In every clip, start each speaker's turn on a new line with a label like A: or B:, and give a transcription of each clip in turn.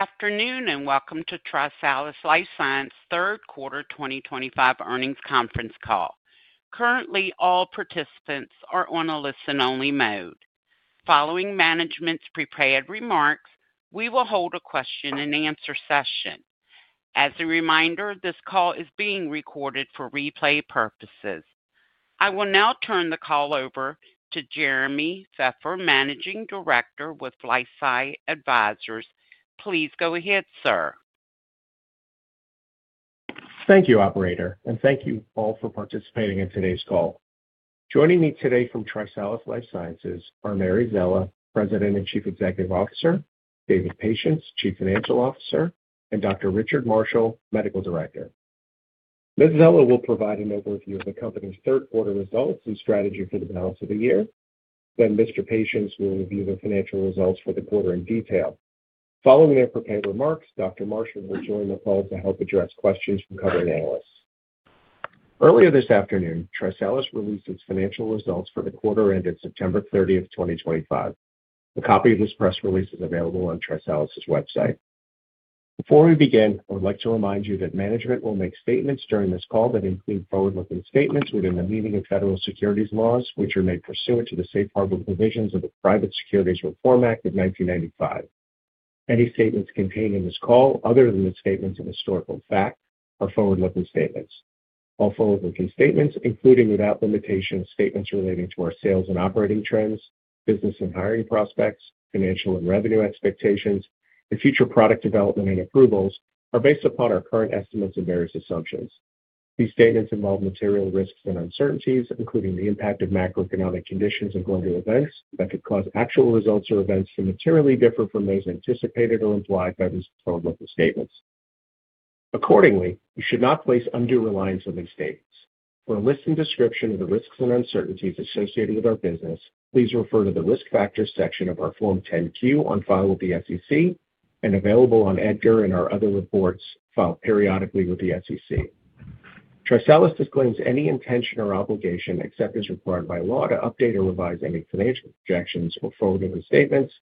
A: Afternoon and welcome to TriSalus Life Sciences' third quarter 2025 earnings conference call. Currently, all participants are on a listen-only mode. Following management's prepared remarks, we will hold a question-and-answer session. As a reminder, this call is being recorded for replay purposes. I will now turn the call over to Jeremy Feffer, Managing Director with Life Sciences Advisors. Please go ahead, sir.
B: Thank you, Operator, and thank you all for participating in today's call. Joining me today from TriSalus Life Sciences are Mary Szela, President and Chief Executive Officer; David Patience, Chief Financial Officer; and Dr. Richard Marshall, Medical Director. Ms. Szela will provide an overview of the company's third quarter results and strategy for the balance of the year. Mr. Patience will review the financial results for the quarter in detail. Following their prepared remarks, Dr. Marshall will join the call to help address questions from covering analysts. Earlier this afternoon, TriSalus released its financial results for the quarter ended September 30TH, 2025. A copy of this press release is available on TriSalus' website. Before we begin, I would like to remind you that management will make statements during this call that include forward-looking statements within the meaning of federal securities laws, which are made pursuant to the safe harbor provisions of the Private Securities Reform Act of 1995. Any statements contained in this call, other than the statements of historical fact, are forward-looking statements. All forward-looking statements, including without limitation, statements relating to our sales and operating trends, business and hiring prospects, financial and revenue expectations, and future product development and approvals, are based upon our current estimates and various assumptions. These statements involve material risks and uncertainties, including the impact of macroeconomic conditions and global events that could cause actual results or events to materially differ from those anticipated or implied by these forward-looking statements. Accordingly, you should not place undue reliance on these statements. For a list and description of the risks and uncertainties associated with our business, please refer to the risk factors section of our Form 10-Q on file with the SEC and available on EDGAR and our other reports filed periodically with the SEC. TriSalus disclaims any intention or obligation except as required by law to update or revise any financial projections or forward-looking statements,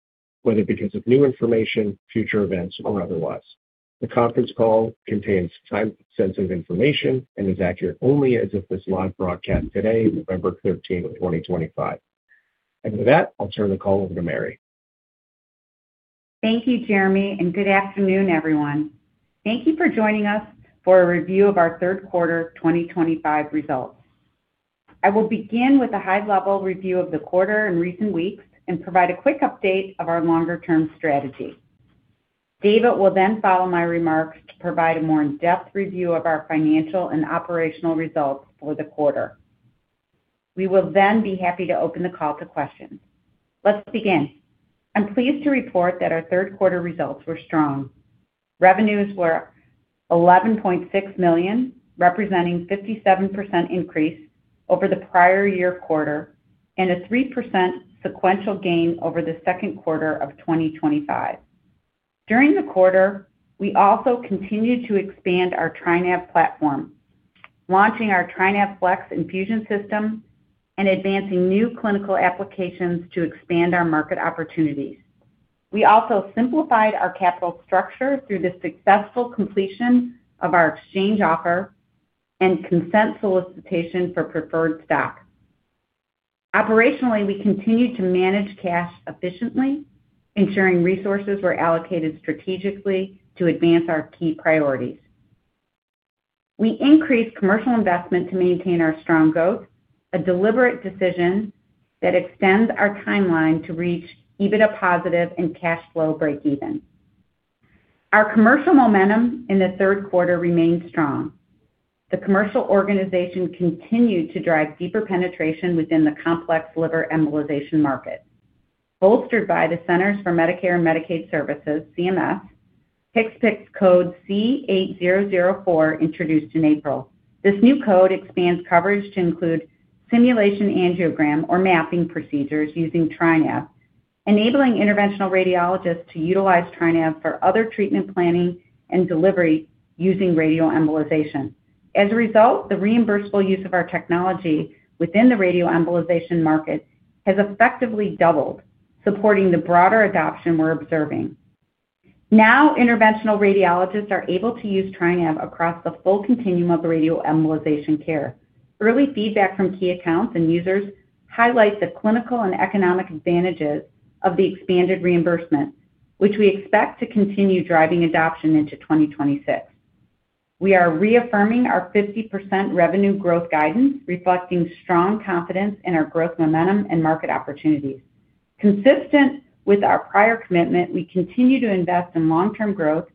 B: whether because of new information, future events, or otherwise. The conference call contains time-sensitive information and is accurate only as if this live broadcast today, November 13, 2025. With that, I'll turn the call over to Mary.
C: Thank you, Jeremy, and good afternoon, everyone. Thank you for joining us for a review of our third quarter 2025 results. I will begin with a high-level review of the quarter and recent weeks and provide a quick update of our longer-term strategy. David will then follow my remarks to provide a more in-depth review of our financial and operational results for the quarter. We will then be happy to open the call to questions. Let's begin. I'm pleased to report that our third quarter results were strong. Revenues were $11.6 million, representing a 57% increase over the prior year quarter and a 3% sequential gain over the second quarter of 2025. During the quarter, we also continued to expand our TriNav platform, launching our TriNav FLX infusion system and advancing new clinical applications to expand our market opportunities. We also simplified our capital structure through the successful completion of our exchange offer and consent solicitation for preferred stock. Operationally, we continued to manage cash efficiently, ensuring resources were allocated strategically to advance our key priorities. We increased commercial investment to maintain our strong growth, a deliberate decision that extends our timeline to reach EBITDA positive and cash flow breakeven. Our commercial momentum in the third quarter remained strong. The commercial organization continued to drive deeper penetration within the complex liver embolization market, bolstered by the Centers for Medicare & Medicaid Services, CMS, HCPCS code C8004 introduced in April. This new code expands coverage to include simulation angiogram or mapping procedures using TriNav, enabling interventional radiologists to utilize TriNav for other treatment planning and delivery using radioembolization. As a result, the reimbursable use of our technology within the radioembolization market has effectively doubled, supporting the broader adoption we're observing. Now, interventional radiologists are able to use TriNav across the full continuum of radioembolization care. Early feedback from key accounts and users highlights the clinical and economic advantages of the expanded reimbursement, which we expect to continue driving adoption into 2026. We are reaffirming our 50% revenue growth guidance, reflecting strong confidence in our growth momentum and market opportunities. Consistent with our prior commitment, we continue to invest in long-term growth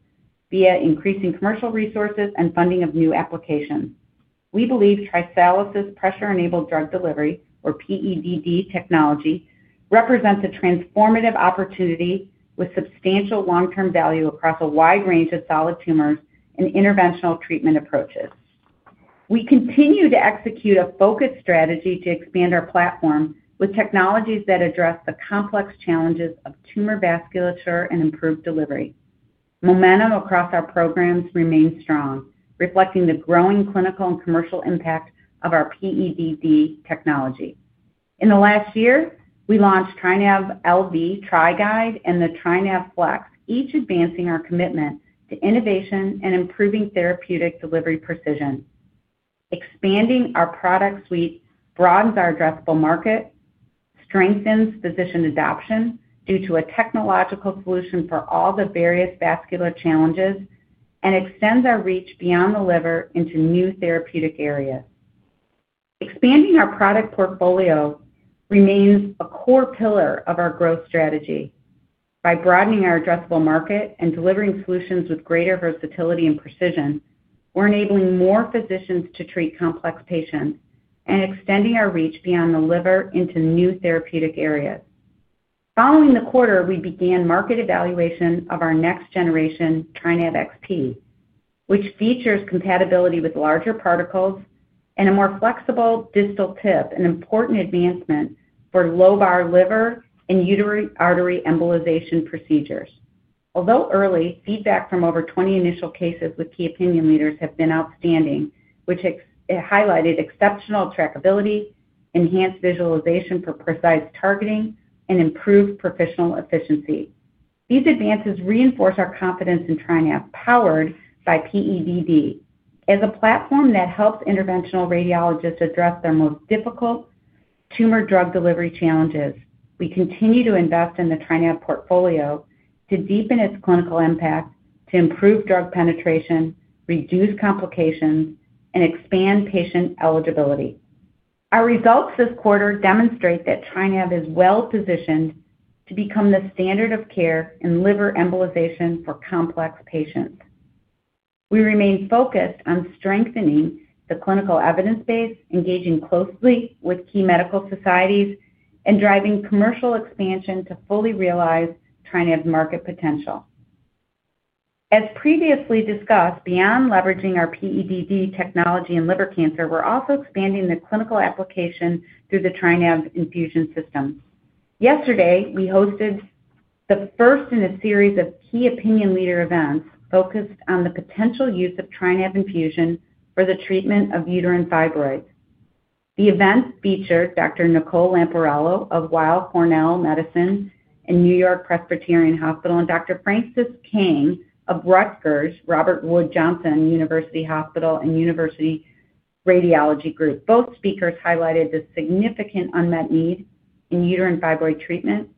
C: via increasing commercial resources and funding of new applications. We believe TriSalus's pressure-enabled drug delivery, or PEDD technology, represents a transformative opportunity with substantial long-term value across a wide range of solid tumors and interventional treatment approaches. We continue to execute a focused strategy to expand our platform with technologies that address the complex challenges of tumor vasculature and improved delivery. Momentum across our programs remains strong, reflecting the growing clinical and commercial impact of our PEDD technology. In the last year, we launched TriNav LV, TriGuide, and the TriNav FLX, each advancing our commitment to innovation and improving therapeutic delivery precision. Expanding our product suite broadens our addressable market, strengthens physician adoption due to a technological solution for all the various vascular challenges, and extends our reach beyond the liver into new therapeutic areas. Expanding our product portfolio remains a core pillar of our growth strategy. By broadening our addressable market and delivering solutions with greater versatility and precision, we're enabling more physicians to treat complex patients and extending our reach beyond the liver into new therapeutic areas. Following the quarter, we began market evaluation of our next-generation TriNav XP, which features compatibility with larger particles and a more flexible distal tip, an important advancement for low-bar liver and uterine artery embolization procedures. Although early, feedback from over 20 initial cases with key opinion leaders has been outstanding, which highlighted exceptional trackability, enhanced visualization for precise targeting, and improved professional efficiency. These advances reinforce our confidence in TriNav, powered by PEDD, as a platform that helps interventional radiologists address their most difficult tumor drug delivery challenges. We continue to invest in the TriNav portfolio to deepen its clinical impact, to improve drug penetration, reduce complications, and expand patient eligibility. Our results this quarter demonstrate that TriNav is well-positioned to become the standard of care in liver embolization for complex patients. We remain focused on strengthening the clinical evidence base, engaging closely with key medical societies, and driving commercial expansion to fully realize TriNav's market potential. As previously discussed, beyond leveraging our PEDD technology in liver cancer, we're also expanding the clinical application through the TriNav infusion system. Yesterday, we hosted the first in a series of key opinion leader events focused on the potential use of TriNav infusion for the treatment of uterine fibroids. The event featured Dr. Nicole Lamparello of Weill Cornell Medicine and New York Presbyterian Hospital and Dr. Francis King of Rutgers Robert Wood Johnson University Hospital and University Radiology Group. Both speakers highlighted the significant unmet need in uterine fibroid treatment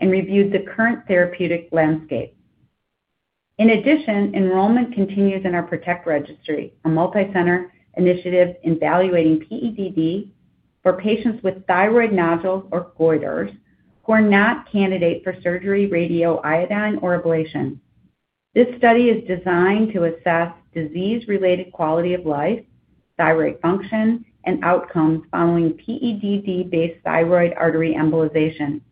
C: and reviewed the current therapeutic landscape. In addition, enrollment continues in our Protect Registry, a multi-center initiative evaluating PEDD for patients with thyroid nodules or goiters who are not candidates for surgery, radioiodine, or ablation. This study is designed to assess disease-related quality of life, thyroid function, and outcomes following PEDD-based thyroid artery embolization.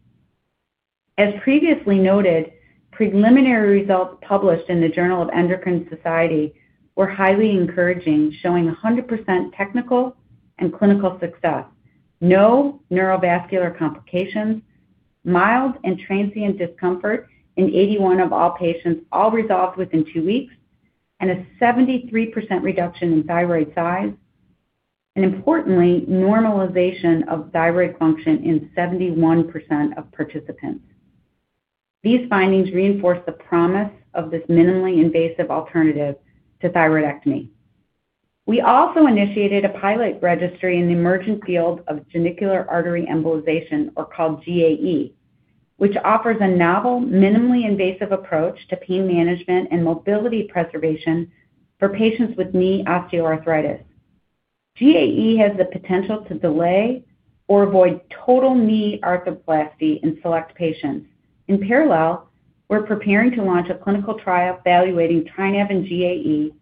C: As previously noted, preliminary results published in the Journal of Endocrine Society were highly encouraging, showing 100% technical and clinical success, no neurovascular complications, mild and transient discomfort in 81% of all patients, all resolved within two weeks, and a 73% reduction in thyroid size, and importantly, normalization of thyroid function in 71% of participants. These findings reinforce the promise of this minimally invasive alternative to thyroidectomy. We also initiated a pilot registry in the emerging field of genicular artery embolization, or called GAE, which offers a novel, minimally invasive approach to pain management and mobility preservation for patients with knee osteoarthritis. GAE has the potential to delay or avoid total knee arthroplasty in select patients. In parallel, we're preparing to launch a clinical trial evaluating TriNav and GAE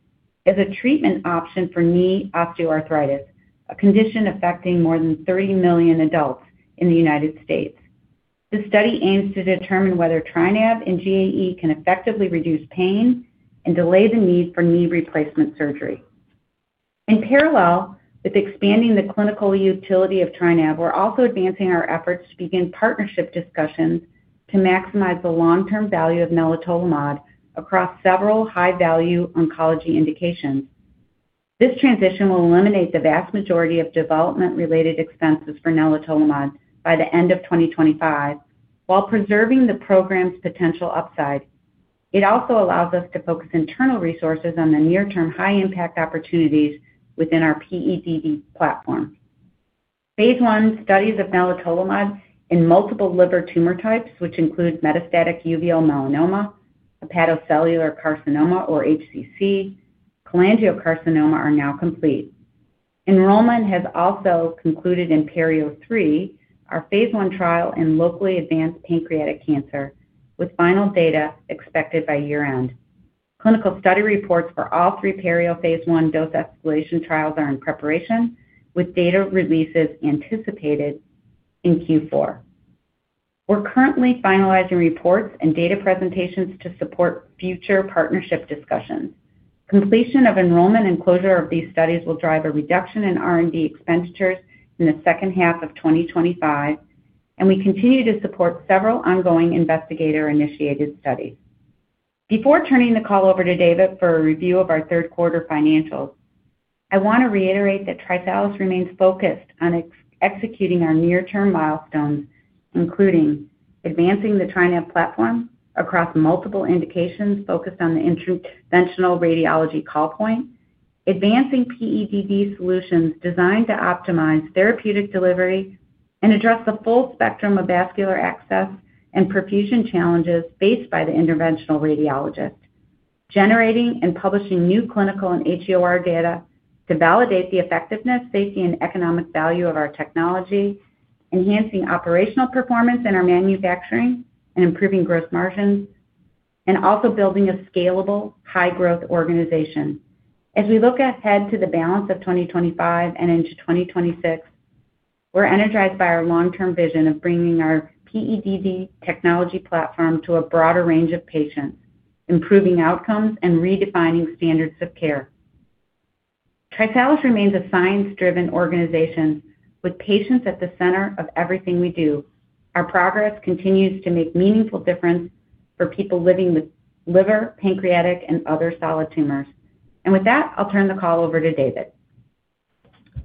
C: as a treatment option for knee osteoarthritis, a condition affecting more than 30 million adults in the United States. The study aims to determine whether TriNav and GAE can effectively reduce pain and delay the need for knee replacement surgery. In parallel with expanding the clinical utility of TriNav, we're also advancing our efforts to begin partnership discussions to maximize the long-term value of nallotolamide across several high-value oncology indications. This transition will eliminate the vast majority of development-related expenses for nallotolamide by the end of 2025 while preserving the program's potential upside. It also allows us to focus internal resources on the near-term high-impact opportunities within our PEDD platform. phase I studies of nallotolamide in multiple liver tumor types, which include metastatic uveal melanoma, hepatocellular carcinoma, or HCC, cholangiocarcinoma, are now complete. Enrollment has also concluded in PERIO III, our phase I trial in locally advanced pancreatic cancer, with final data expected by year-end. Clinical study reports for all three perio phase I dose escalation trials are in preparation, with data releases anticipated in Q4. We're currently finalizing reports and data presentations to support future partnership discussions. Completion of enrollment and closure of these studies will drive a reduction in R&D expenditures in the second half of 2025, and we continue to support several ongoing investigator-initiated studies. Before turning the call over to David for a review of our third quarter financials, I want to reiterate that TriSalus remains focused on executing our near-term milestones, including advancing the TriNav platform across multiple indications focused on the interventional radiology call point, advancing PEDD solutions designed to optimize therapeutic delivery and address the full spectrum of vascular access and perfusion challenges faced by the interventional radiologist, generating and publishing new clinical and HEOR data to validate the effectiveness, safety, and economic value of our technology, enhancing operational performance in our manufacturing and improving gross margins, and also building a scalable, high-growth organization. As we look ahead to the balance of 2025 and into 2026, we're energized by our long-term vision of bringing our PEDD technology platform to a broader range of patients, improving outcomes and redefining standards of care. TriSalus remains a science-driven organization with patients at the center of everything we do. Our progress continues to make a meaningful difference for people living with liver, pancreatic, and other solid tumors. With that, I'll turn the call over to David.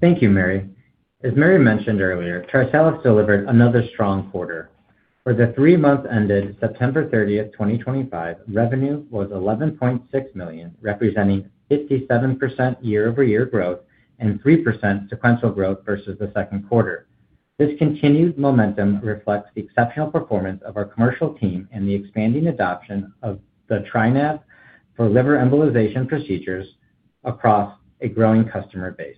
D: Thank you, Mary. As Mary mentioned earlier, TriSalus delivered another strong quarter. For the three months ended September 30th, 2025, revenue was $11.6 million, representing 57% year-over-year growth and 3% sequential growth versus the second quarter. This continued momentum reflects the exceptional performance of our commercial team and the expanding adoption of the TriNav for liver embolization procedures across a growing customer base.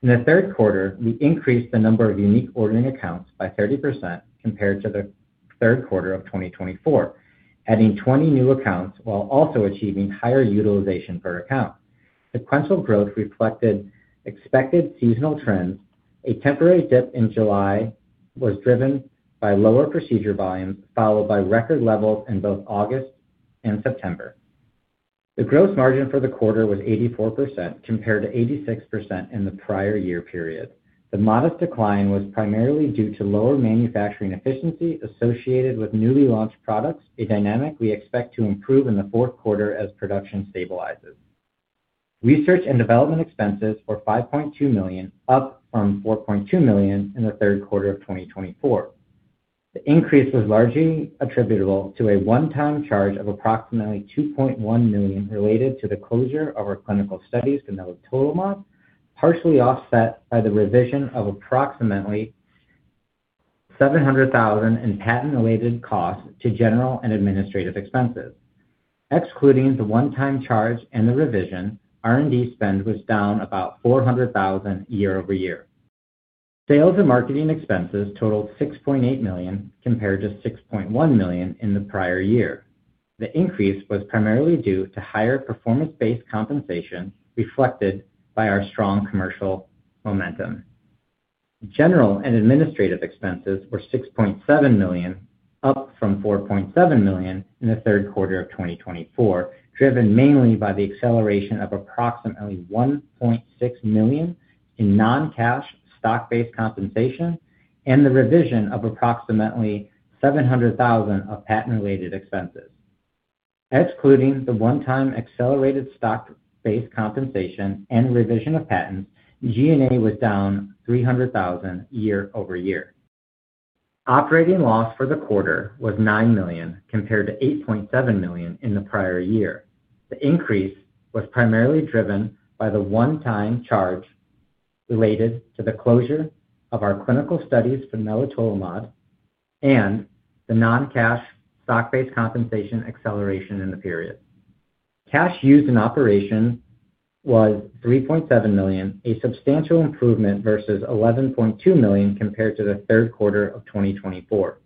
D: In the third quarter, we increased the number of unique ordering accounts by 30% compared to the third quarter of 2024, adding 20 new accounts while also achieving higher utilization per account. Sequential growth reflected expected seasonal trends. A temporary dip in July was driven by lower procedure volumes, followed by record levels in both August and September. The gross margin for the quarter was 84% compared to 86% in the prior year period. The modest decline was primarily due to lower manufacturing efficiency associated with newly launched products, a dynamic we expect to improve in the fourth quarter as production stabilizes. Research and development expenses were $5.2 million, up from $4.2 million in the third quarter of 2024. The increase was largely attributable to a one-time charge of approximately $2.1 million related to the closure of our clinical studies for nallotolamide, partially offset by the revision of approximately $700,000 in patent-related costs to general and administrative expenses. Excluding the one-time charge and the revision, R&D spend was down about $400,000 year-over-year. Sales and marketing expenses totaled $6.8 million compared to $6.1 million in the prior year. The increase was primarily due to higher performance-based compensation reflected by our strong commercial momentum. General and administrative expenses were $6.7 million, up from $4.7 million in the third quarter of 2024, driven mainly by the acceleration of approximately $1.6 million in non-cash stock-based compensation and the revision of approximately $700,000 of patent-related expenses. Excluding the one-time accelerated stock-based compensation and revision of patents, G&A was down $300,000 year-over-year. Operating loss for the quarter was $9 million compared to $8.7 million in the prior year. The increase was primarily driven by the one-time charge related to the closure of our clinical studies for nallotolamide and the non-cash stock-based compensation acceleration in the period. Cash used in operation was $3.7 million, a substantial improvement versus $11.2 million compared to the third quarter of 2024.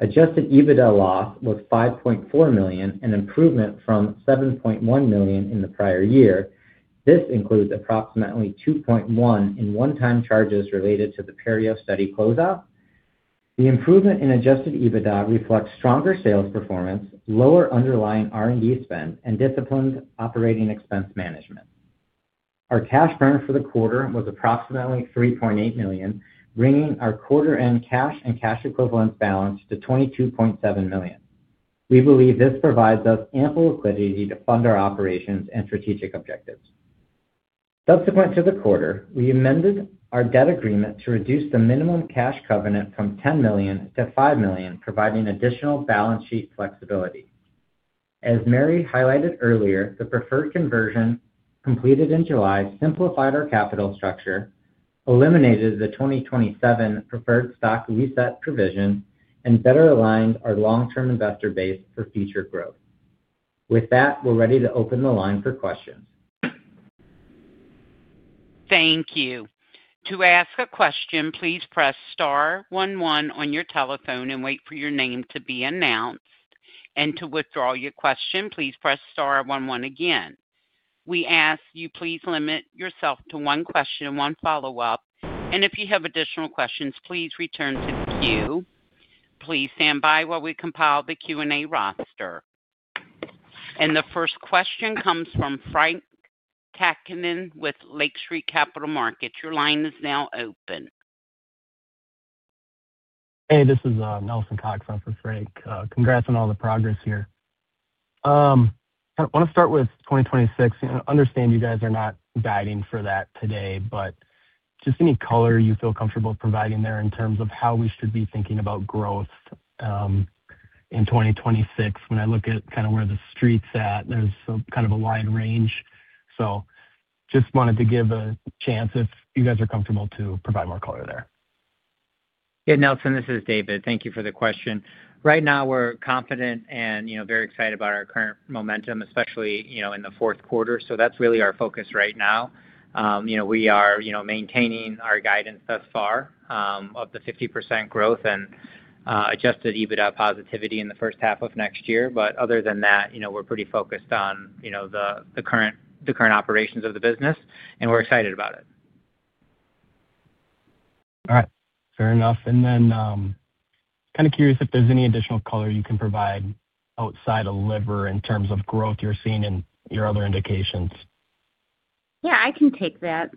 D: Adjusted EBITDA loss was $5.4 million, an improvement from $7.1 million in the prior year. This includes approximately $2.1 million in one-time charges related to the PERIO study closeout. The improvement in adjusted EBITDA reflects stronger sales performance, lower underlying R&D spend, and disciplined operating expense management. Our cash burn for the quarter was approximately $3.8 million, bringing our quarter-end cash and cash equivalence balance to $22.7 million. We believe this provides us ample liquidity to fund our operations and strategic objectives. Subsequent to the quarter, we amended our debt agreement to reduce the minimum cash covenant from $10 million to $5 million, providing additional balance sheet flexibility. As Mary highlighted earlier, the preferred conversion completed in July simplified our capital structure, eliminated the 2027 preferred stock reset provision, and better aligned our long-term investor base for future growth. With that, we're ready to open the line for questions. Thank you.
A: To ask a question, please press star one one on your telephone and wait for your name to be announced. To withdraw your question, please press star one one again. We ask you please limit yourself to one question and one follow-up. If you have additional questions, please return to the queue. Please stand by while we compile the Q&A roster. The first question comes from Frank Takkinen with Lake Street Capital Markets. Your line is now open.
E: Hey, this is Nelson Cox from Frank. Congrats on all the progress here. I want to start with 2026. I understand you guys are not guiding for that today, but just any color you feel comfortable providing there in terms of how we should be thinking about growth in 2026. When I look at kind of where the street's at, there's kind of a wide range. Just wanted to give a chance if you guys are comfortable to provide more color there.
D: Yeah, Nelson, this is David. Thank you for the question. Right now, we're confident and very excited about our current momentum, especially in the fourth quarter. That's really our focus right now. We are maintaining our guidance thus far of the 50% growth and Adjusted EBITDA positivity in the first half of next year. Other than that, we're pretty focused on the current operations of the business, and we're excited about it.
E: All right. Fair enough. Kind of curious if there's any additional color you can provide outside of liver in terms of growth you're seeing in your other indications.
C: Yeah, I can take that,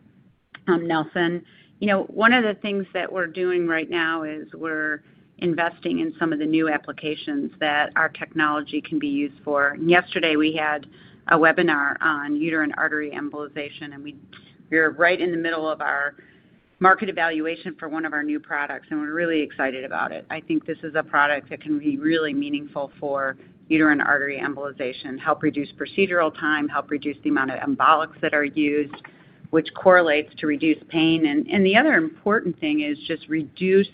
C: Nelson. One of the things that we're doing right now is we're investing in some of the new applications that our technology can be used for. Yesterday, we had a webinar on uterine artery embolization, and we're right in the middle of our market evaluation for one of our new products, and we're really excited about it. I think this is a product that can be really meaningful for uterine artery embolization, help reduce procedural time, help reduce the amount of embolics that are used, which correlates to reduced pain. The other important thing is just reduce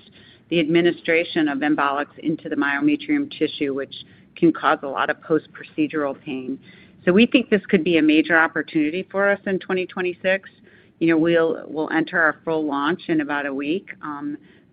C: the administration of embolics into the myometrium tissue, which can cause a lot of post-procedural pain. We think this could be a major opportunity for us in 2026. We'll enter our full launch in about a week.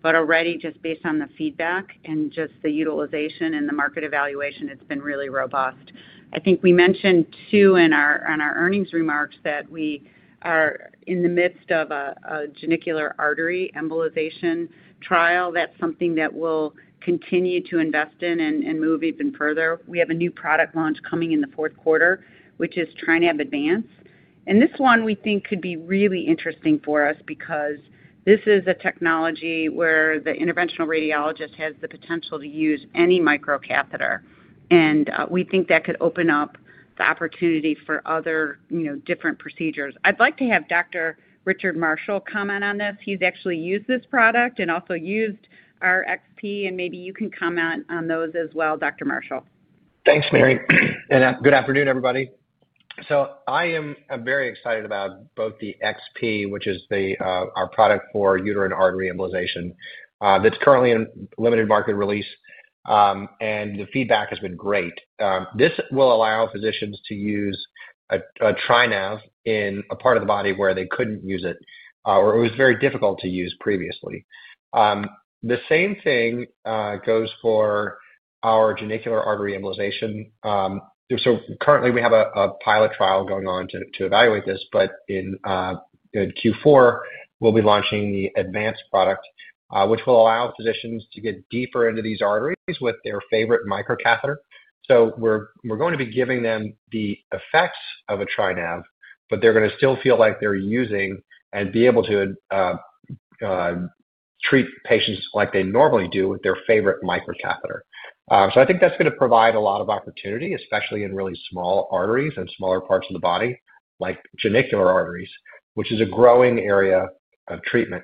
C: Already, just based on the feedback and just the utilization and the market evaluation, it's been really robust. I think we mentioned too in our earnings remarks that we are in the midst of a genicular artery embolization trial. That's something that we'll continue to invest in and move even further. We have a new product launch coming in the fourth quarter, which is TriNav Advance. And this one, we think, could be really interesting for us because this is a technology where the interventional radiologist has the potential to use any microcatheter. We think that could open up the opportunity for other different procedures. I'd like to have Dr. Richard Marshall comment on this. He's actually used this product and also used our XP, and maybe you can comment on those as well, Dr. Marshall.
F: Thanks, Mary. Good afternoon, everybody. I am very excited about both the XP, which is our product for uterine artery embolization, that's currently in limited market release, and the feedback has been great. This will allow physicians to use a TriNav in a part of the body where they couldn't use it, or it was very difficult to use previously. The same thing goes for our genicular artery embolization. Currently, we have a pilot trial going on to evaluate this, but in Q4, we'll be launching the advanced product, which will allow physicians to get deeper into these arteries with their favorite microcatheter. We're going to be giving them the effects of a TriNav, but they're going to still feel like they're using and be able to treat patients like they normally do with their favorite microcatheter. I think that's going to provide a lot of opportunity, especially in really small arteries and smaller parts of the body, like genicular arteries, which is a growing area of treatment.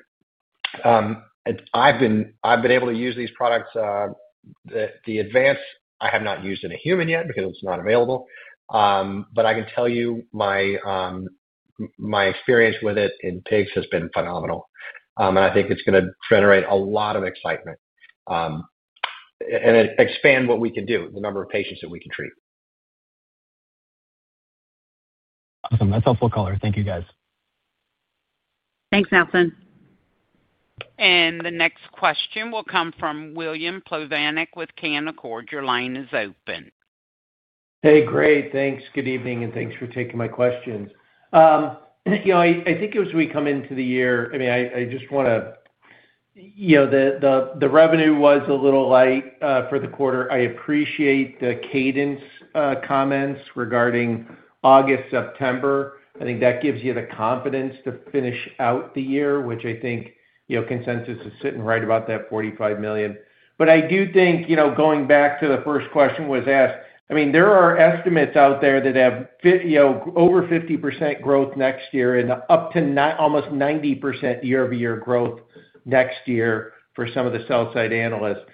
F: I've been able to use these products. The Advance, I have not used in a human yet because it's not available. I can tell you my experience with it in pigs has been phenomenal. I think it's going to generate a lot of excitement and expand what we can do, the number of patients that we can treat.
E: Awesome. That's helpful color. Thank you, guys.
A: Thanks, Nelson. The next question will come from William Plovanic with Canaccord. Your line is open.
G: Hey, great. Thanks. Good evening, and thanks for taking my questions. I think as we come into the year, I mean, I just want to the revenue was a little light for the quarter. I appreciate the cadence comments regarding August, September. I think that gives you the confidence to finish out the year, which I think consensus is sitting right about that $45 million. I do think going back to the first question was asked, I mean, there are estimates out there that have over 50% growth next year and up to almost 90% year-over-year growth next year for some of the sell-side analysts.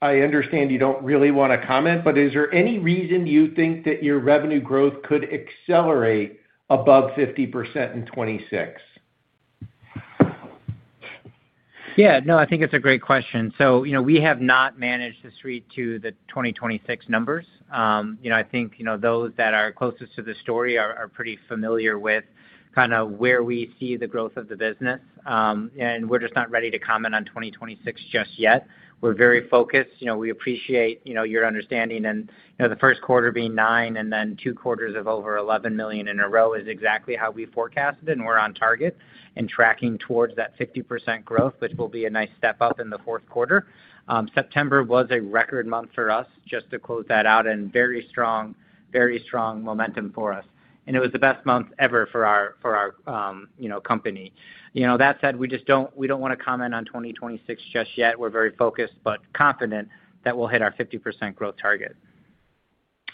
G: I understand you do not really want to comment, but is there any reason you think that your revenue growth could accelerate above 50% in 2026?
B: Yeah. No, I think it is a great question. We have not managed to street to the 2026 numbers. I think those that are closest to the story are pretty familiar with kind of where we see the growth of the business. We're just not ready to comment on 2026 just yet. We're very focused. We appreciate your understanding. The first quarter being 9 and then two quarters of over $11 million in a row is exactly how we forecast it. We're on target and tracking towards that 50% growth, which will be a nice step up in the fourth quarter. September was a record month for us, just to close that out, and very strong, very strong momentum for us. It was the best month ever for our company. That said, we don't want to comment on 2026 just yet. We're very focused, but confident that we'll hit our 50% growth target.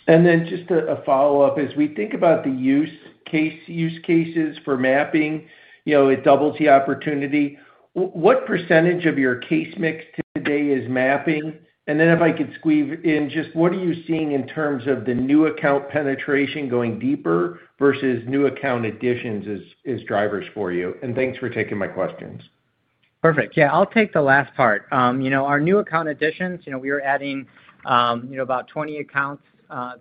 G: Just a follow-up, as we think about the use cases for mapping, a double-T opportunity, what percentage of your case mix today is mapping? If I could squeeze in just what are you seeing in terms of the new account penetration going deeper versus new account additions as drivers for you? Thanks for taking my questions.
B: Perfect. Yeah, I'll take the last part. Our new account additions, we are adding about 20 accounts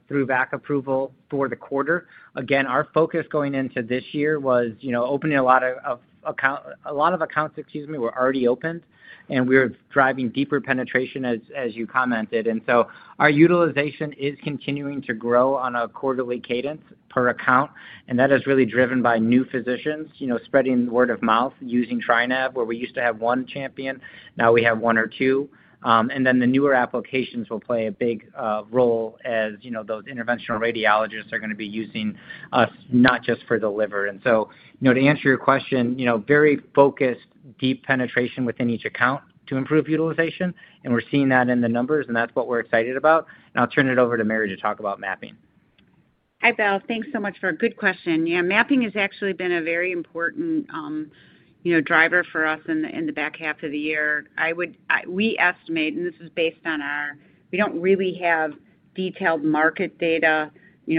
B: through VAC approval for the quarter. Again, our focus going into this year was opening a lot of accounts—excuse me—were already opened, and we're driving deeper penetration, as you commented. Our utilization is continuing to grow on a quarterly cadence per account. That is really driven by new physicians spreading word of mouth using TriNav, where we used to have one champion. Now we have one or two. The newer applications will play a big role as those interventional radiologists are going to be using us not just for the liver. To answer your question, very focused, deep penetration within each account to improve utilization. We're seeing that in the numbers, and that's what we're excited about. I'll turn it over to Mary to talk about mapping.
C: Hi, Beth. Thanks so much for a good question. Yeah, mapping has actually been a very important driver for us in the back half of the year. We estimate, and this is based on our—we don't really have detailed market data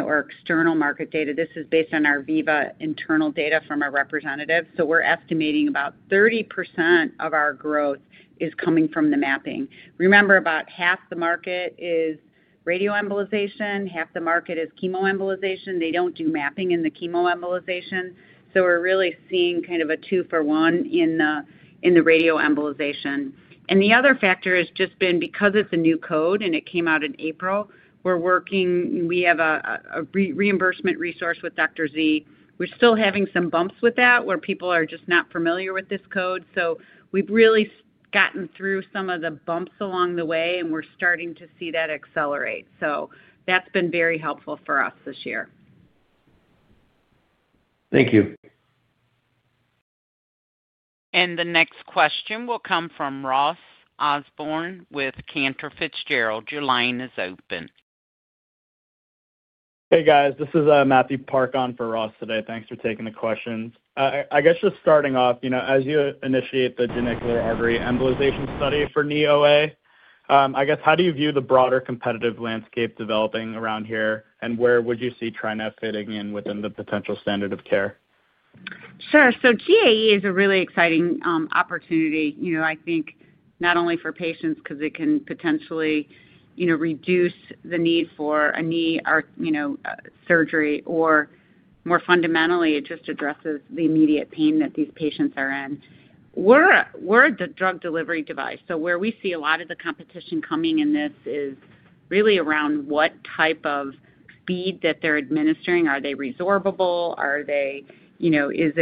C: or external market data. This is based on our Viva internal data from our representative. We're estimating about 30% of our growth is coming from the mapping. Remember, about half the market is radioembolization. Half the market is chemoembolization. They don't do mapping in the chemoembolization. We're really seeing kind of a two-for-one in the radioembolization. The other factor has just been because it's a new code and it came out in April, we're working—we have a reimbursement resource with Dr. Z. We're still having some bumps with that where people are just not familiar with this code. We've really gotten through some of the bumps along the way, and we're starting to see that accelerate. That's been very helpful for us this year.
G: Thank you.
A: The next question will come from Ross Osborn with Cantor Fitzgerald. Your line is open.
H: Hey, guys. This is Matthew Park on for Ross today. Thanks for taking the questions. I guess just starting off, as you initiate the genicular artery embolization study for NEOA, how do you view the broader competitive landscape developing around here, and where would you see TriNav fitting in within the potential standard of care?
C: Sure. GAE is a really exciting opportunity, I think, not only for patients because it can potentially reduce the need for a knee surgery, or more fundamentally, it just addresses the immediate pain that these patients are in. We're a drug delivery device. Where we see a lot of the competition coming in this is really around what type of speed that they're administering. Are they resorbable? Is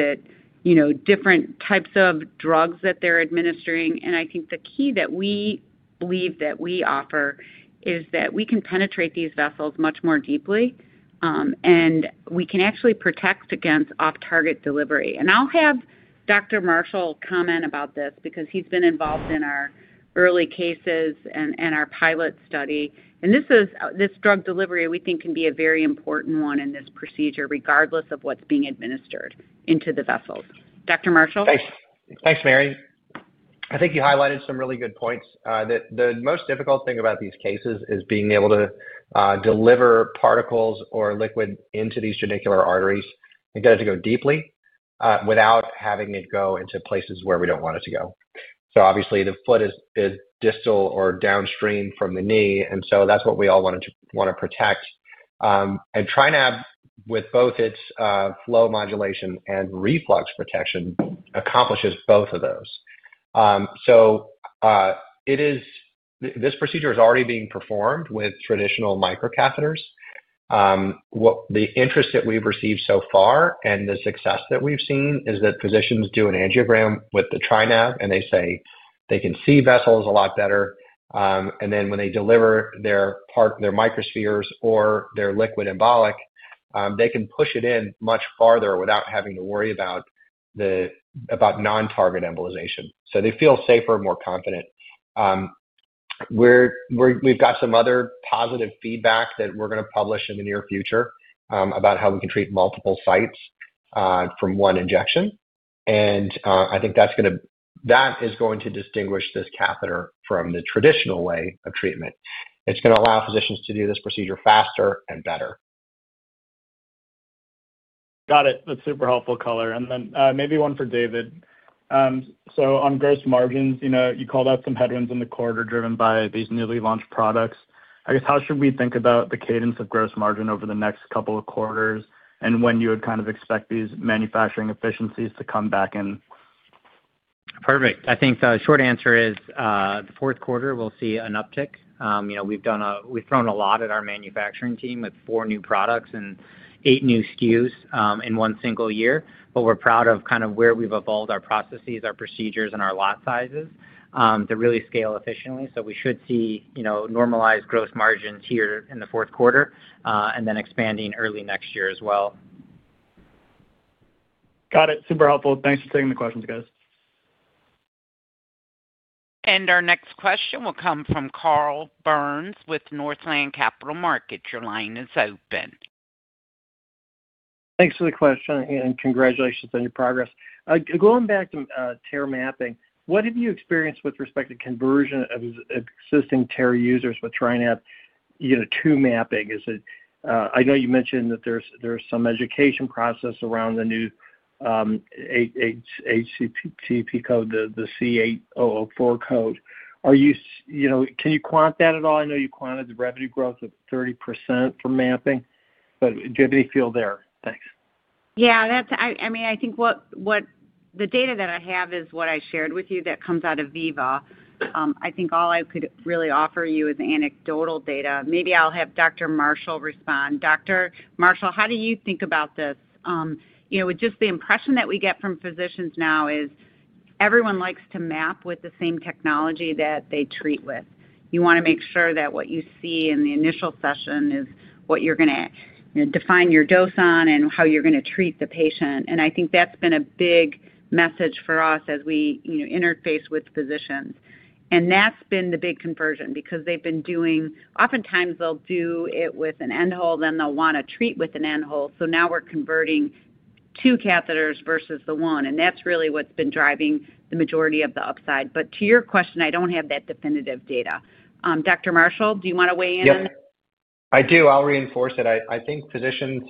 C: it different types of drugs that they're administering? I think the key that we believe that we offer is that we can penetrate these vessels much more deeply, and we can actually protect against off-target delivery. I'll have Dr. Marshall comment about this because he's been involved in our early cases and our pilot study. This drug delivery, we think, can be a very important one in this procedure, regardless of what's being administered into the vessels. Dr. Marshall?
F: Thanks, Mary. I think you highlighted some really good points. The most difficult thing about these cases is being able to deliver particles or liquid into these genicular arteries and get it to go deeply without having it go into places where we do not want it to go. Obviously, the foot is distal or downstream from the knee, and that is what we all want to protect. TriNav, with both its flow modulation and reflux protection, accomplishes both of those. This procedure is already being performed with traditional microcatheters. The interest that we have received so far and the success that we have seen is that physicians do an angiogram with the TriNav, and they say they can see vessels a lot better. Then when they deliver their microspheres or their liquid embolic, they can push it in much farther without having to worry about non-target embolization. They feel safer, more confident. We have some other positive feedback that we are going to publish in the near future about how we can treat multiple sites from one injection. I think that is going to distinguish this catheter from the traditional way of treatment. It is going to allow physicians to do this procedure faster and better.
H: Got it. That is super helpful color. Maybe one for David. On gross margins, you called out some headwinds in the quarter driven by these newly launched products. How should we think about the cadence of gross margin over the next couple of quarters and when you would expect these manufacturing efficiencies to come back in?
D: Perfect. I think the short answer is the fourth quarter, we will see an uptick. We've thrown a lot at our manufacturing team with four new products and eight new SKUs in one single year. But we're proud of kind of where we've evolved our processes, our procedures, and our lot sizes to really scale efficiently. We should see normalized gross margins here in the fourth quarter and then expanding early next year as well.
H: Got it. Super helpful. Thanks for taking the questions, guys.
A: Our next question will come from Carl Byrnes with Northland Capital Markets. Your line is open.
I: Thanks for the question, and congratulations on your progress. Going back to TARE mapping, what have you experienced with respect to conversion of existing TARE users with TriNav to mapping? I know you mentioned that there's some education process around the new HCP code, the C8004 code. Can you quant that at all? I know you quanted the revenue growth of 30% for mapping, but do you have any feel there? Thanks.
C: Yeah. I mean, I think the data that I have is what I shared with you that comes out of Viva. I think all I could really offer you is anecdotal data. Maybe I'll have Dr. Marshall respond. Dr. Marshall, how do you think about this? Just the impression that we get from physicians now is everyone likes to map with the same technology that they treat with. You want to make sure that what you see in the initial session is what you're going to define your dose on and how you're going to treat the patient. I think that's been a big message for us as we interface with physicians. That's been the big conversion because they've been doing—oftentimes, they'll do it with an end hole, then they'll want to treat with an end hole. Now we're converting two catheters versus the one. That's really what's been driving the majority of the upside. To your question, I don't have that definitive data. Dr. Marshall, do you want to weigh in?
F: I do. I'll reinforce it. I think physicians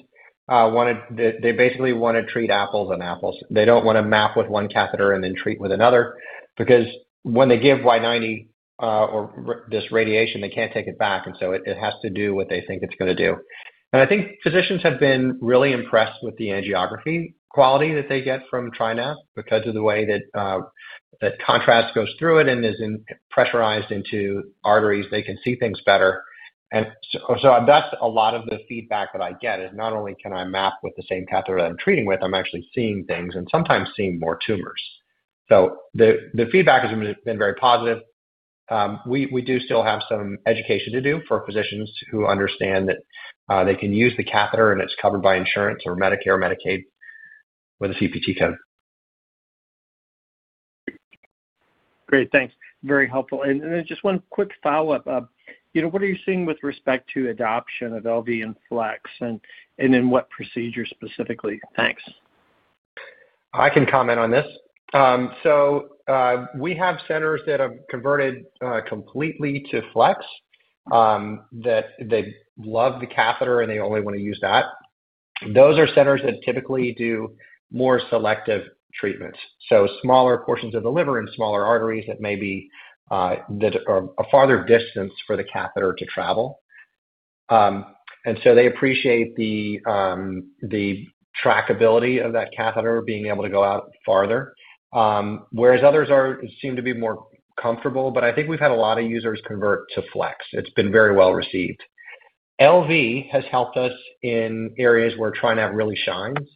F: want to—they basically want to treat apples and apples. They don't want to map with one catheter and then treat with another because when they give Y90 or this radiation, they can't take it back. It has to do what they think it's going to do. I think physicians have been really impressed with the angiography quality that they get from TriNav because of the way that contrast goes through it and is pressurized into arteries. They can see things better. That is a lot of the feedback that I get: not only can I map with the same catheter that I am treating with, I am actually seeing things and sometimes seeing more tumors. The feedback has been very positive. We do still have some education to do for physicians who understand that they can use the catheter and it is covered by insurance or Medicare or Medicaid with a CPT code.
I: Great. Thanks. Very helpful. Just one quick follow-up. What are you seeing with respect to adoption of LV and FLX, and in what procedure specifically? Thanks.
F: I can comment on this. We have centers that have converted completely to FLX that they love the catheter and they only want to use that. Those are centers that typically do more selective treatments. Smaller portions of the liver and smaller arteries that may be at a farther distance for the catheter to travel. They appreciate the trackability of that catheter being able to go out farther, whereas others seem to be more comfortable. I think we've had a lot of users convert to FLX. It's been very well received. LV has helped us in areas where TriNav really shines.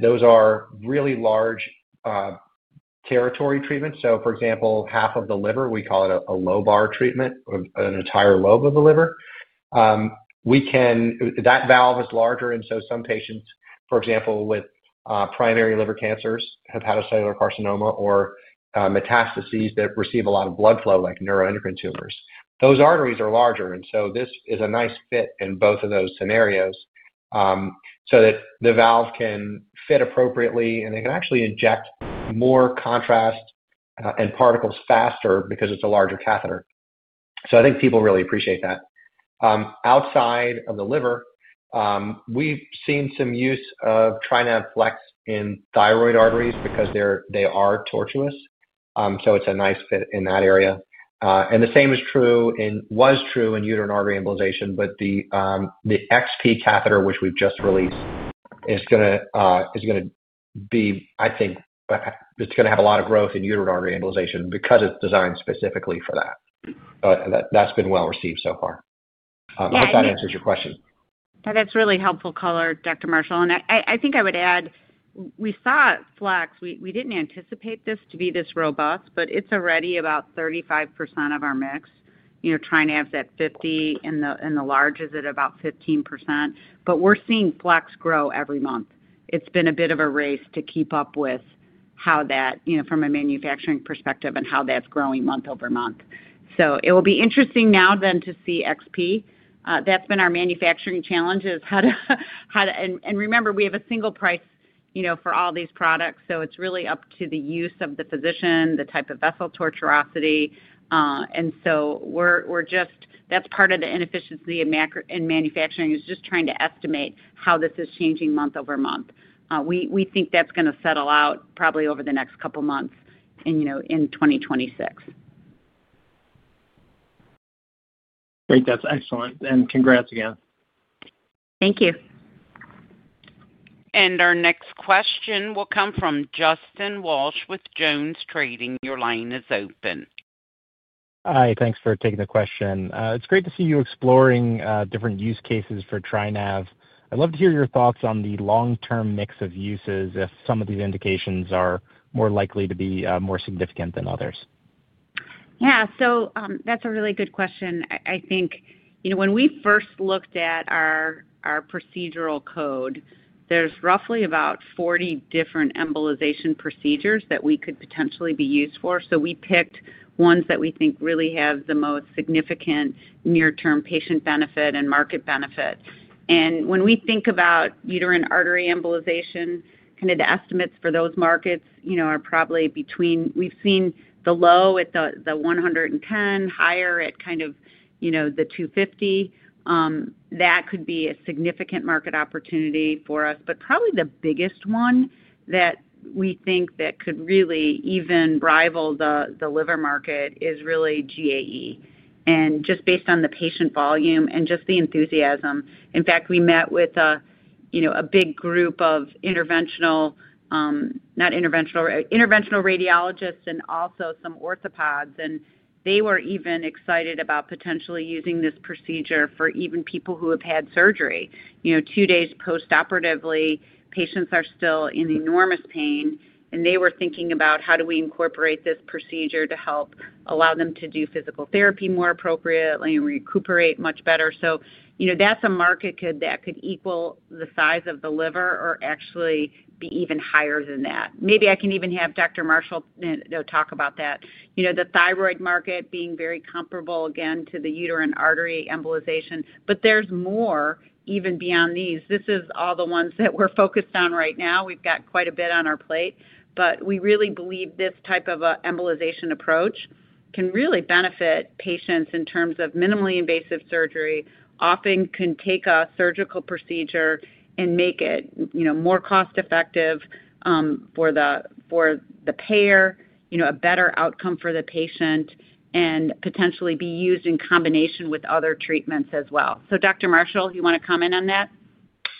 F: Those are really large territory treatments. For example, half of the liver, we call it a lobar treatment, an entire lobe of the liver. That valve is larger. Some patients, for example, with primary liver cancers have hepatocellular carcinoma or metastases that receive a lot of blood flow like neuroendocrine tumors. Those arteries are larger. This is a nice fit in both of those scenarios so that the valve can fit appropriately and they can actually inject more contrast and particles faster because it is a larger catheter. I think people really appreciate that. Outside of the liver, we've seen some use of TriNav FLX in thyroid arteries because they are tortuous. It is a nice fit in that area. The same was true in uterine artery embolization. The XP catheter, which we've just released, is going to be—I think it is going to have a lot of growth in uterine artery embolization because it is designed specifically for that. That has been well received so far. I hope that answers your question.
C: That's really helpful color, Dr. Marshall. I think I would add, we thought FLX—we didn't anticipate this to be this robust, but it's already about 35% of our mix. TriNav's at 50%, and the large is at about 15%. We're seeing FLX grow every month. It's been a bit of a race to keep up with how that—from a manufacturing perspective—and how that's growing month over month. It will be interesting now then to see XP. That's been our manufacturing challenge is how to—and remember, we have a single price for all these products. It's really up to the use of the physician, the type of vessel tortuosity. That's part of the inefficiency in manufacturing is just trying to estimate how this is changing month over month. We think that's going to settle out probably over the next couple of months in 2026. Great.
I: That's excellent. And congrats again.
C: Thank you.
A: And our next question will come from Justin Walsh with Jones Trading. Your line is open.
J: Hi. Thanks for taking the question. It's great to see you exploring different use cases for TriNav. I'd love to hear your thoughts on the long-term mix of uses if some of these indications are more likely to be more significant than others.
C: Yeah. So that's a really good question. I think when we first looked at our procedural code, there's roughly about 40 different embolization procedures that we could potentially be used for. So we picked ones that we think really have the most significant near-term patient benefit and market benefit. And when we think about uterine artery embolization, kind of the estimates for those markets are probably between—we've seen the low at the $110,000, higher at kind of the $250,000. That could be a significant market opportunity for us. Probably the biggest one that we think that could really even rival the liver market is really GAE. Just based on the patient volume and just the enthusiasm. In fact, we met with a big group of interventional—not interventional—interventional radiologists and also some orthopods. They were even excited about potentially using this procedure for even people who have had surgery. Two days postoperatively, patients are still in enormous pain. They were thinking about how do we incorporate this procedure to help allow them to do physical therapy more appropriately and recuperate much better. That is a market that could equal the size of the liver or actually be even higher than that. Maybe I can even have Dr. Marshall talk about that. The thyroid market being very comparable, again, to the uterine artery embolization. There is more even beyond these. This is all the ones that we're focused on right now. We've got quite a bit on our plate. We really believe this type of embolization approach can really benefit patients in terms of minimally invasive surgery, often can take a surgical procedure and make it more cost-effective for the payer, a better outcome for the patient, and potentially be used in combination with other treatments as well. Dr. Marshall, you want to comment on that?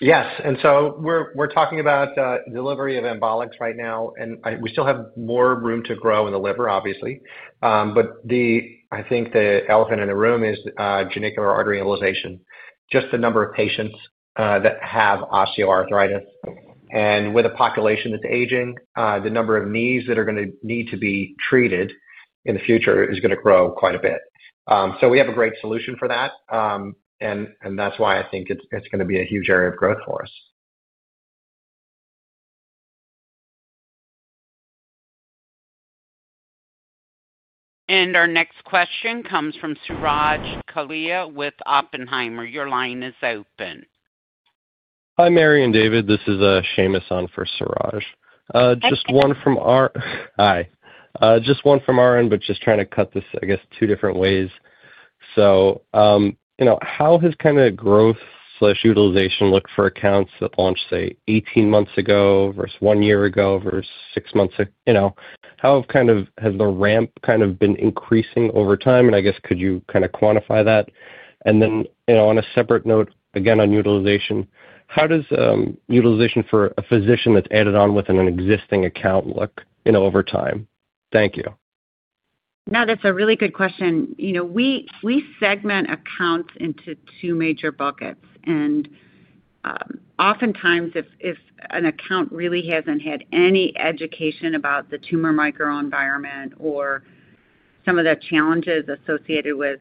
F: Yes. We're talking about delivery of embolics right now. We still have more room to grow in the liver, obviously. I think the elephant in the room is genicular artery embolization. Just the number of patients that have osteoarthritis. With a population that's aging, the number of knees that are going to need to be treated in the future is going to grow quite a bit. We have a great solution for that. That is why I think it's going to be a huge area of growth for us.
A: Our next question comes from Suraj Kalia with Oppenheimer. Your line is open.
K: Hi, Mary and David. This is Shaymus on for Suraj. Just one from our—hi. Just one from our end, but just trying to cut this, I guess, two different ways. How has kind of growth/utilization looked for accounts that launched, say, 18 months ago versus one year ago versus six months ago? How kind of has the ramp kind of been increasing over time? I guess, could you kind of quantify that? On a separate note, again, on utilization, how does utilization for a physician that's added on with an existing account look over time? Thank you.
C: No, that's a really good question. We segment accounts into two major buckets. Oftentimes, if an account really hasn't had any education about the tumor microenvironment or some of the challenges associated with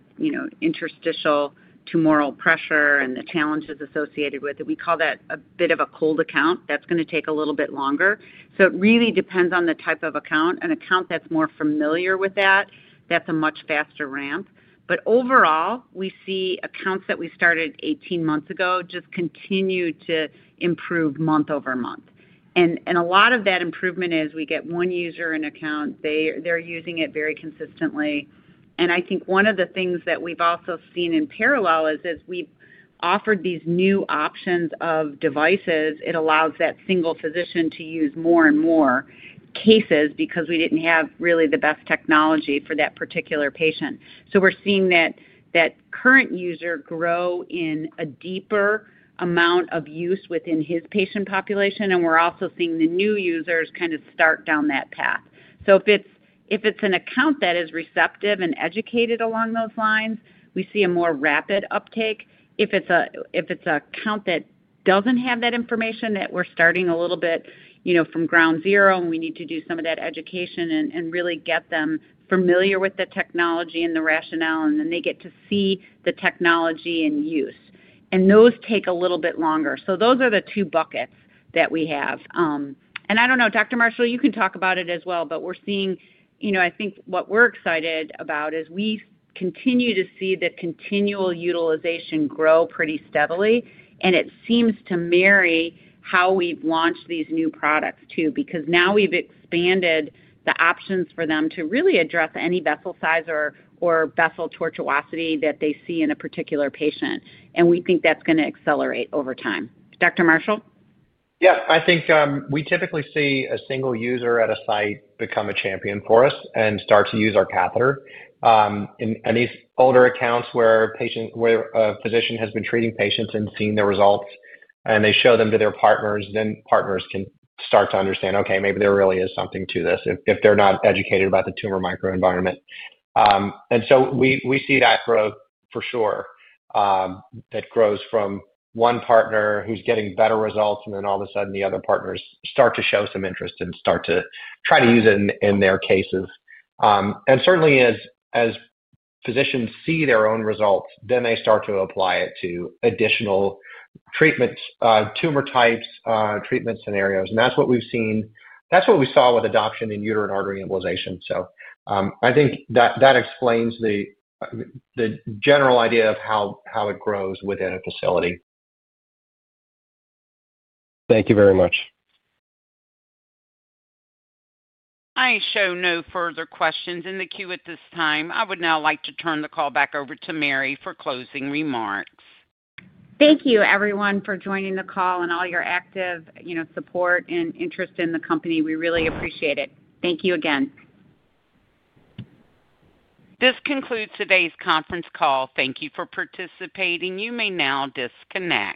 C: interstitial tumoral pressure and the challenges associated with it, we call that a bit of a cold account. That's going to take a little bit longer. It really depends on the type of account. An account that's more familiar with that, that's a much faster ramp. Overall, we see accounts that we started 18 months ago just continue to improve month over month. A lot of that improvement is we get one user in an account. They're using it very consistently. I think one of the things that we've also seen in parallel is we've offered these new options of devices. It allows that single physician to use more and more cases because we didn't have really the best technology for that particular patient. We're seeing that current user grow in a deeper amount of use within his patient population. We're also seeing the new users kind of start down that path. If it's an account that is receptive and educated along those lines, we see a more rapid uptake. If it's an account that doesn't have that information, we're starting a little bit from ground zero and we need to do some of that education and really get them familiar with the technology and the rationale, and then they get to see the technology in use. Those take a little bit longer. Those are the two buckets that we have. I don't know, Dr. Marshall, you can talk about it as well. What we're excited about is we continue to see the continual utilization grow pretty steadily. It seems to marry how we've launched these new products too because now we've expanded the options for them to really address any vessel size or vessel tortuosity that they see in a particular patient. We think that's going to accelerate over time. Dr. Marshall?
F: Yeah. I think we typically see a single user at a site become a champion for us and start to use our catheter. These older accounts where a physician has been treating patients and seen the results, and they show them to their partners, then partners can start to understand, "Okay, maybe there really is something to this if they're not educated about the tumor microenvironment." We see that growth for sure that grows from one partner who's getting better results, and then all of a sudden the other partners start to show some interest and start to try to use it in their cases. Certainly, as physicians see their own results, then they start to apply it to additional treatments, tumor types, treatment scenarios. That's what we've seen. That's what we saw with adoption in uterine artery embolization. I think that explains the general idea of how it grows within a facility. Thank you very much.
A: I show no further questions in the queue at this time. I would now like to turn the call back over to Mary for closing remarks.
C: Thank you, everyone, for joining the call and all your active support and interest in the company. We really appreciate it. Thank you again.
A: This concludes today's conference call. Thank you for participating. You may now disconnect.